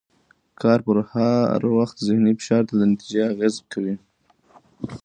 کار پر وخت ذهني فشار د نتیجې اغېز کوي.